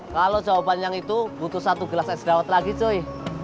kalau jawaban yang itu butuh satu gelas es gawat lagi joy